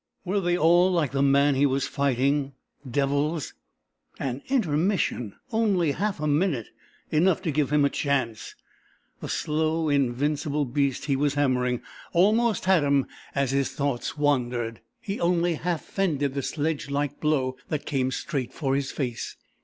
Were they all like the man he was fighting devils? An intermission only half a minute. Enough to give him a chance. The slow, invincible beast he was hammering almost had him as his thoughts wandered. He only half fended the sledge like blow that came straight for his face.